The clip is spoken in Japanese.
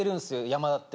山田って。